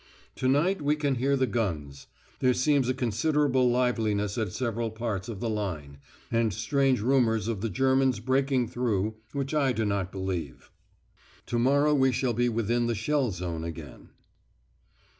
To night we can hear the guns. There seems a considerable liveliness at several parts of the line, and strange rumours of the Germans breaking through, which I do not believe. To morrow we shall be within the shell zone again."